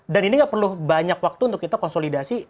dan ini nggak perlu banyak waktu untuk kita konsolidasi